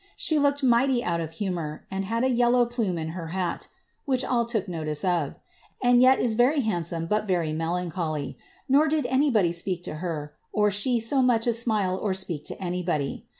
She looked mighty out of humour, and hadtjf^ low plume in her hat, (which all took notice of,) and yet is veryhii^ some, but very melancholy; nor did anybody speak to her, orihsM much as smile or speak to anybody.